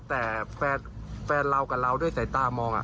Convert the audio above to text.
แต่แฟนเรากับเราด้วยสายตามอง